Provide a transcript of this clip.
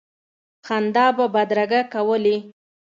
خندا به بدرګه کولې.